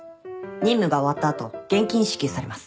任務が終わった後現金支給されます。